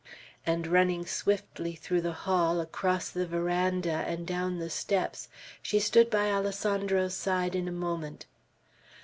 And running swiftly through the hall, across the veranda, and down the steps, she stood by Alessandro's side in a moment.